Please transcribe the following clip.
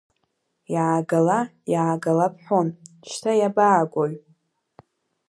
Иаагала, иаагала бҳәон, шьҭа иабаагои?